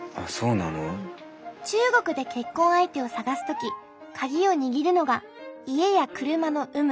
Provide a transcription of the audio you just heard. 中国で結婚相手を探す時鍵を握るのが家や車の有無。